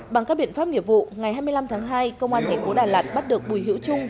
bằng các biện pháp nghiệp vụ ngày hai mươi năm tháng hai công an tp đà lạt bắt được bùi hiễu trung